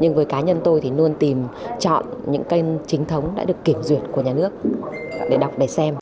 nhưng với cá nhân tôi thì luôn tìm chọn những kênh chính thống đã được kiểm duyệt của nhà nước để đọc để xem